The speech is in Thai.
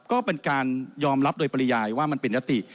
ก็เป็นการยอมรับโดยปริยายว่ามันเป็นยติ